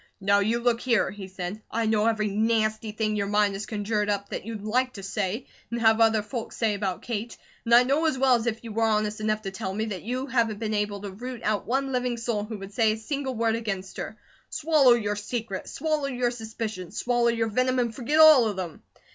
"Now you look here," he said. "I know every nasty thing your mind has conjured up that you'd LIKE to say, and have other folks say, about Kate. And I know as well as if you were honest enough to tell me, that you haven't been able to root out one living soul who would say a single word against her. Swallow your secret! Swallow your suspicions! Swallow your venom, and forget all of them.